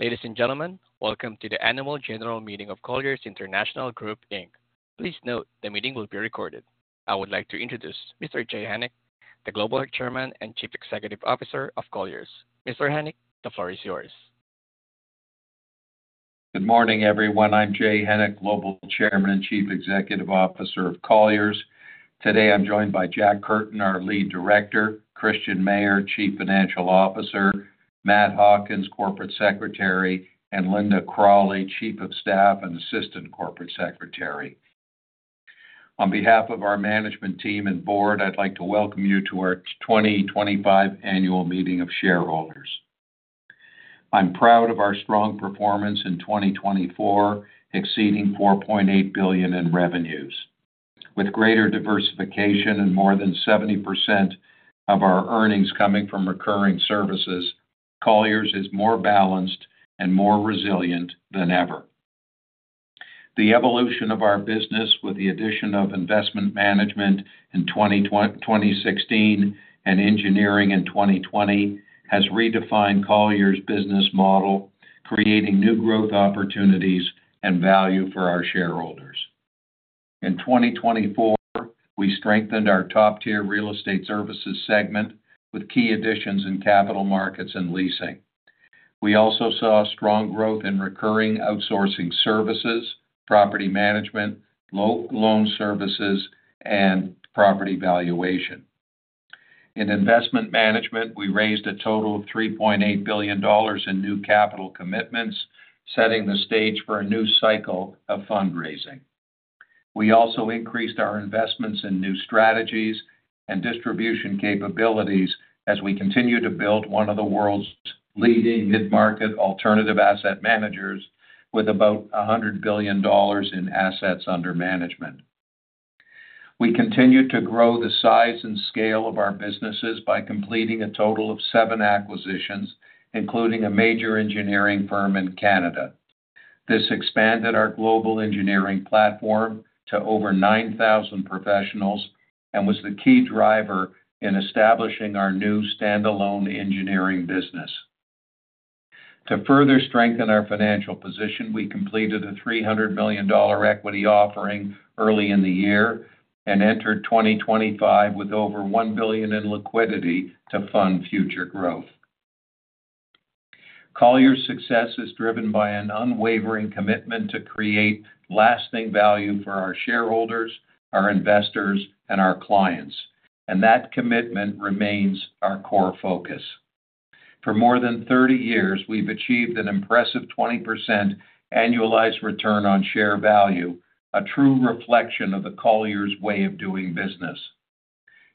Ladies and gentlemen, welcome to the Annual General Meeting of Colliers International Group Inc. Please note the meeting will be recorded. I would like to introduce Mr. Jay Hennick, the Global Chairman and Chief Executive Officer of Colliers. Mr. Hennick, the floor is yours. Good morning, everyone. I'm Jay Hennick, Global Chairman and Chief Executive Officer of Colliers. Today I'm joined by Jack Curtin, our Lead Director, Christian Mayer, Chief Financial Officer, Matt Hawkins, Corporate Secretary, and Lynda Cralli, Chief of Staff and Assistant Corporate Secretary. On behalf of our management team and board, I'd like to welcome you to our 2025 Annual Meeting of Shareholders. I'm proud of our strong performance in 2024, exceeding $4.8 billion in revenues. With greater diversification and more than 70% of our earnings coming from recurring services, Colliers is more balanced and more resilient than ever. The evolution of our business, with the addition of Investment Management in 2016 and Engineering in 2020, has redefined Colliers' business model, creating new growth opportunities and value for our shareholders. In 2024, we strengthened our top-tier real estate services segment with key additions in capital markets and leasing. We also saw strong growth in recurring outsourcing services, property management, loan services, and property valuation. In Investment Management, we raised a total of $3.8 billion in new capital commitments, setting the stage for a new cycle of fundraising. We also increased our investments in new strategies and distribution capabilities as we continue to build one of the world's leading mid-market alternative asset managers with about $100 billion in assets under management. We continue to grow the size and scale of our businesses by completing a total of seven acquisitions, including a major engineering firm in Canada. This expanded our global engineering platform to over 9,000 professionals and was the key driver in establishing our new standalone engineering business. To further strengthen our financial position, we completed a $300 million equity offering early in the year and entered 2025 with over $1 billion in liquidity to fund future growth. Colliers' success is driven by an unwavering commitment to create lasting value for our shareholders, our investors, and our clients, and that commitment remains our core focus. For more than 30 years, we've achieved an impressive 20% annualized return on share value, a true reflection of the Colliers' way of doing business.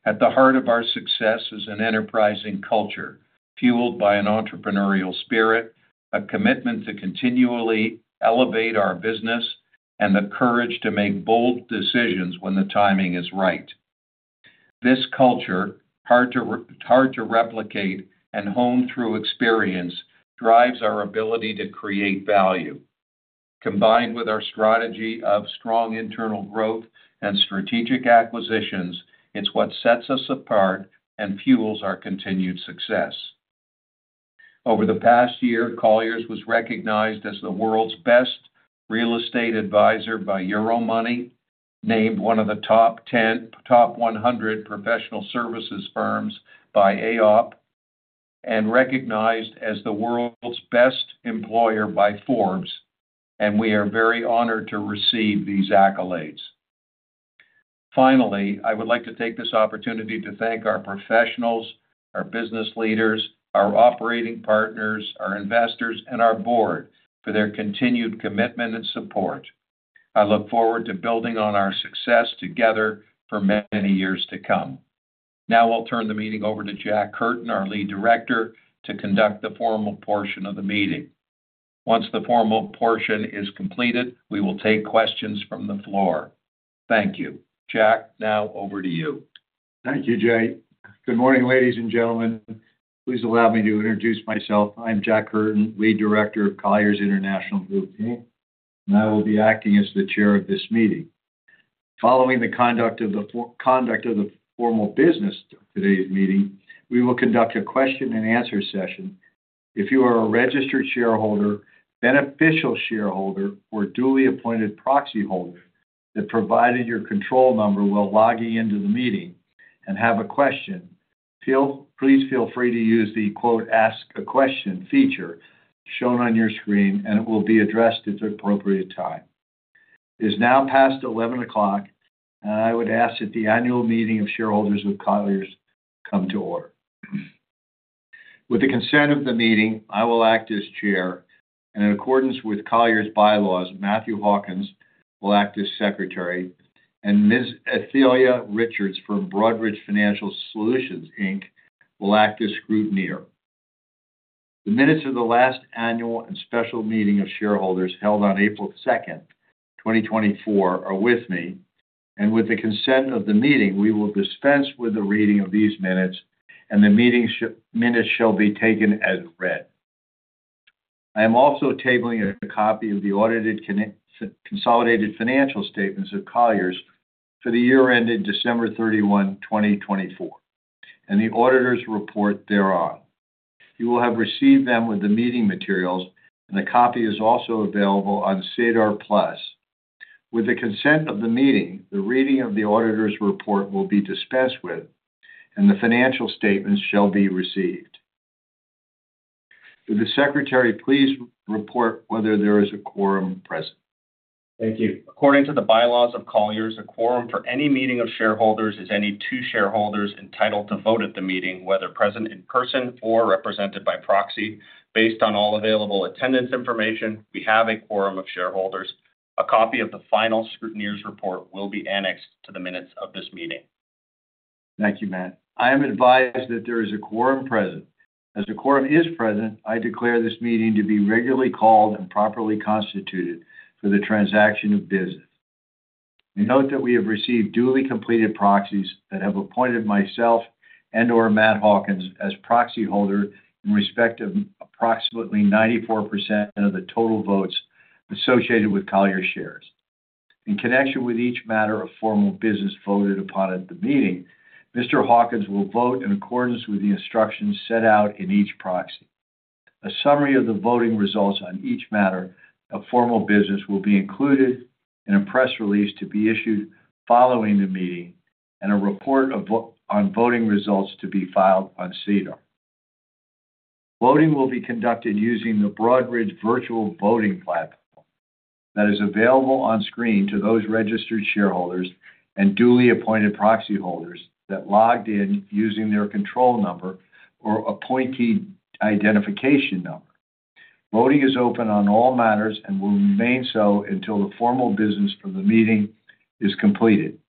At the heart of our success is an enterprising culture fueled by an entrepreneurial spirit, a commitment to continually elevate our business, and the courage to make bold decisions when the timing is right. This culture, hard to replicate and honed through experience, drives our ability to create value. Combined with our strategy of strong internal growth and strategic acquisitions, it's what sets us apart and fuels our continued success. Over the past year, Colliers was recognized as the world's best real estate advisor by Euromoney, named one of the top 10 top 100 professional services firms by IAOP, and recognized as the world's best employer by Forbes, and we are very honored to receive these accolades. Finally, I would like to take this opportunity to thank our professionals, our business leaders, our operating partners, our investors, and our board for their continued commitment and support. I look forward to building on our success together for many years to come. Now I'll turn the meeting over to Jack Curtin, our Lead Director, to conduct the formal portion of the meeting. Once the formal portion is completed, we will take questions from the floor. Thank you. Jack, now over to you. Thank you, Jay. Good morning, ladies and gentlemen. Please allow me to introduce myself. I'm Jack Curtin, Lead Director of Colliers International Group, and I will be acting as the Chair of this meeting. Following the conduct of the formal business of today's meeting, we will conduct a question-and-answer session. If you are a registered shareholder, beneficial shareholder, or duly appointed proxy holder that provided your control number while logging into the meeting and have a question, please feel free to use the "Ask a Question" feature shown on your screen, and it will be addressed at the appropriate time. It is now past 11:00, and I would ask that the Annual Meeting of Shareholders of Colliers come to order. With the consent of the meeting, I will act as Chair, and in accordance with Colliers bylaws, Matthew Hawkins will act as Secretary, and Ms. Athelia Richards from Broadridge Financial Solutions, Inc., will act as Scrutineer. The minutes of the last Annual and Special Meeting of Shareholders held on April 2, 2024, are with me, and with the consent of the meeting, we will dispense with the reading of these minutes, and the minutes shall be taken as read. I am also tabling a copy of the audited consolidated financial statements of Colliers for the year ended December 31, 2024, and the auditor's report thereon. You will have received them with the meeting materials, and a copy is also available on SEDAR+. With the consent of the meeting, the reading of the auditor's report will be dispensed with, and the financial statements shall be received. Will the Secretary please report whether there is a quorum present. Thank you. According to the bylaws of Colliers, a quorum for any meeting of shareholders is any two shareholders entitled to vote at the meeting, whether present in person or represented by proxy. Based on all available attendance information, we have a quorum of shareholders. A copy of the final Scrutineer's report will be annexed to the minutes of this meeting. Thank you, Matt. I am advised that there is a quorum present. As a quorum is present, I declare this meeting to be regularly called and properly constituted for the transaction of business. We note that we have received duly completed proxies that have appointed myself and/or Matt Hawkins as proxy holder in respect of approximately 94% of the total votes associated with Colliers shares. In connection with each matter of formal business voted upon at the meeting, Mr. Hawkins will vote in accordance with the instructions set out in each proxy. A summary of the voting results on each matter of formal business will be included in a press release to be issued following the meeting, and a report on voting results to be filed on SEDAR+. Voting will be conducted using the Broadridge Virtual Voting platform that is available on screen to those registered shareholders and duly appointed proxy holders that logged in using their control number or appointee identification number. Voting is open on all matters and will remain so until the formal business from the meeting is completed.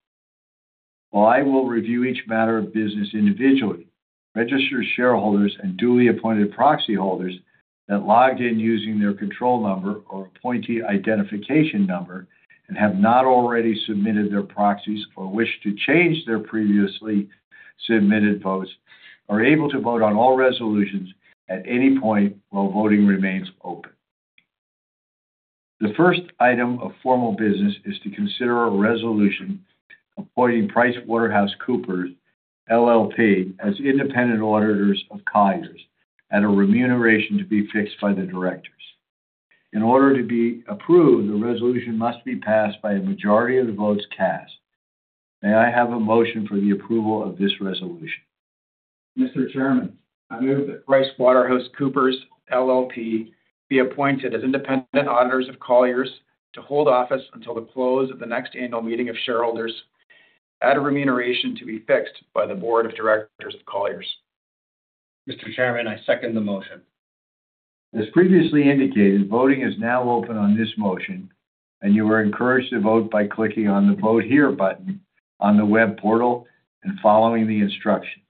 While I will review each matter of business individually, registered shareholders and duly appointed proxy holders that logged in using their control number or appointee identification number and have not already submitted their proxies or wish to change their previously submitted votes are able to vote on all resolutions at any point while voting remains open. The first item of formal business is to consider a resolution appointing PricewaterhouseCoopers LLP as independent auditors of Colliers at a remuneration to be fixed by the directors. In order to be approved, the resolution must be passed by a majority of the votes cast. May I have a motion for the approval of this resolution? Mr. Chairman, I move that PricewaterhouseCoopers LLP be appointed as independent auditors of Colliers to hold office until the close of the next Annual Meeting of Shareholders at a remuneration to be fixed by the Board of Directors of Colliers. Mr. Chairman, I second the motion. As previously indicated, voting is now open on this motion, and you are encouraged to vote by clicking on the "Vote Here" button on the web portal and following the instructions.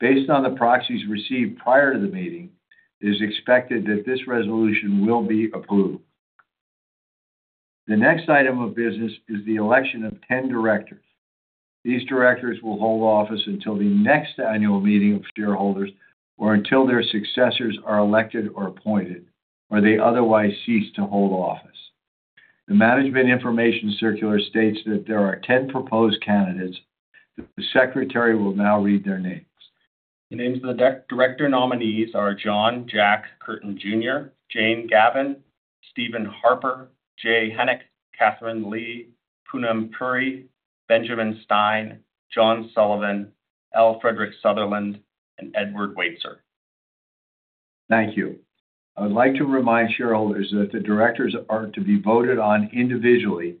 Based on the proxies received prior to the meeting, it is expected that this resolution will be approved. The next item of business is the election of 10 directors. These directors will hold office until the next Annual Meeting of Shareholders or until their successors are elected or appointed, or they otherwise cease to hold office. The Management Information Circular states that there are 10 proposed candidates. The Secretary will now read their names. The names of the director nominees are John, "Jack" Curtin Jr., Jane Gavan, Stephen Harper, Jay Hennick, Katherine Lee, Poonam Puri, Benjamin Stein, John Sullivan, L. Frederick Sutherland, and Edward Waitzer. Thank you. I would like to remind shareholders that the directors are to be voted on individually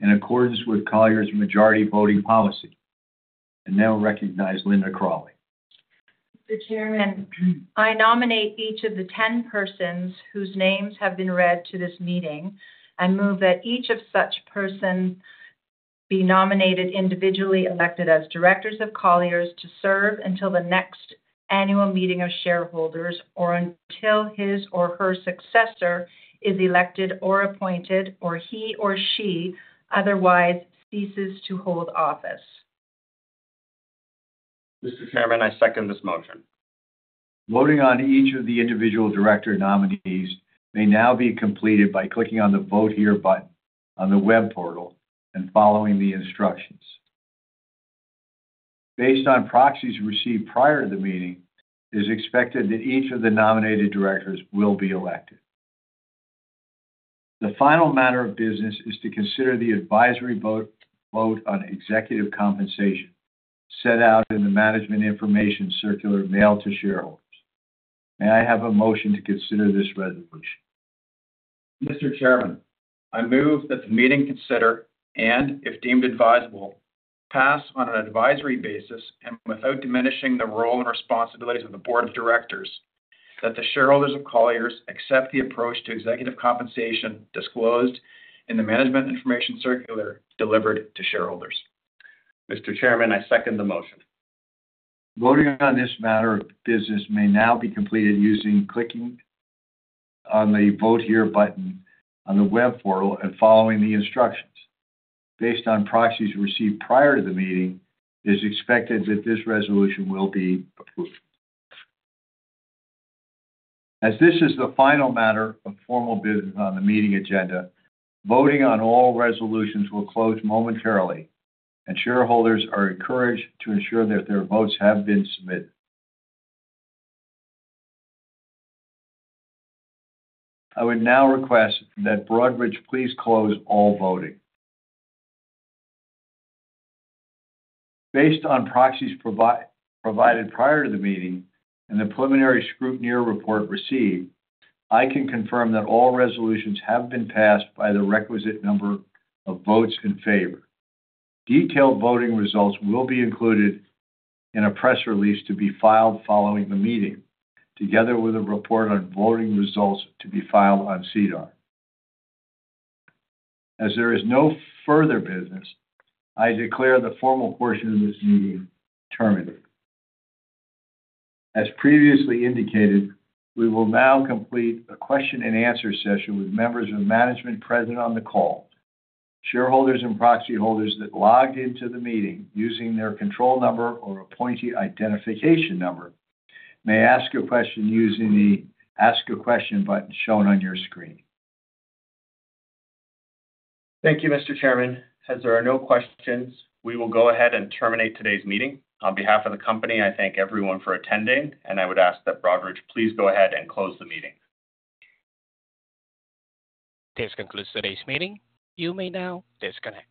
in accordance with Colliers' majority voting policy. I now recognize Lynda Cralli. Mr. Chairman, I nominate each of the 10 persons whose names have been read to this meeting. I move that each of such persons be nominated individually, elected as directors of Colliers to serve until the next Annual Meeting of Shareholders or until his or her successor is elected or appointed or he or she otherwise ceases to hold office. Mr. Chairman, I second this motion. Voting on each of the individual director nominees may now be completed by clicking on the "Vote Here" button on the web portal and following the instructions. Based on proxies received prior to the meeting, it is expected that each of the nominated directors will be elected. The final matter of business is to consider the advisory vote on executive compensation set out in the Management Information Circular mailed to shareholders. May I have a motion to consider this resolution? Mr. Chairman, I move that the meeting consider and, if deemed advisable, pass on an advisory basis and without diminishing the role and responsibilities of the Board of Directors, that the shareholders of Colliers accept the approach to executive compensation disclosed in the Management Information Circular delivered to shareholders. Mr. Chairman, I second the motion. Voting on this matter of business may now be completed using clicking on the "Vote Here" button on the web portal and following the instructions. Based on proxies received prior to the meeting, it is expected that this resolution will be approved. As this is the final matter of formal business on the meeting agenda, voting on all resolutions will close momentarily, and shareholders are encouraged to ensure that their votes have been submitted. I would now request that Broadridge please close all voting. Based on proxies provided prior to the meeting and the preliminary Scrutineer report received, I can confirm that all resolutions have been passed by the requisite number of votes in favor. Detailed voting results will be included in a press release to be filed following the meeting, together with a report on voting results to be filed on SEDAR+. As there is no further business, I declare the formal portion of this meeting terminated. As previously indicated, we will now complete a question-and-answer session with members of management present on the call. Shareholders and proxy holders that logged into the meeting using their control number or appointee identification number may ask a question using the "Ask a Question" button shown on your screen. Thank you, Mr. Chairman. As there are no questions, we will go ahead and terminate today's meeting. On behalf of the company, I thank everyone for attending, and I would ask that Broadridge please go ahead and close the meeting. This concludes today's meeting. You may now disconnect.